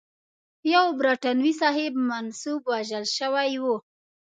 یو برټانوي صاحب منصب وژل شوی و.